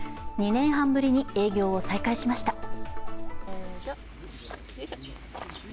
２年半ぶりに営業を再開しました。